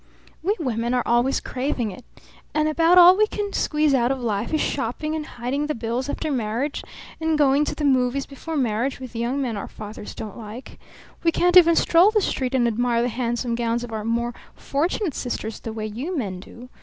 We women are always craving it. And about all we can squeeze out of life is shopping and hiding the bills after marriage, and going to the movies before marriage with young men our fathers don't like. We can't even stroll the street and admire the handsome gowns of our more fortunate sisters the way you men do.